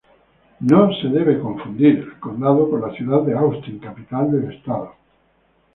El condado no debe ser confundido con la ciudad de Austin, capital del Estado.